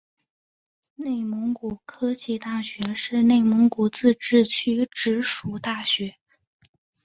内蒙古科技大学是内蒙古自治区直属大学。